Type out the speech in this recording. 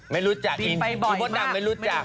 ไม่รู้จักอิ่งโบสไทน์ไม่รู้จัก